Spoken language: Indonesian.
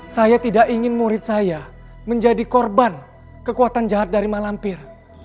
saya tidak ingin murid saya menjadi korban kekuatan jahat dari malampir